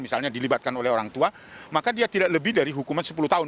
misalnya dilibatkan oleh orang tua maka dia tidak lebih dari hukuman sepuluh tahun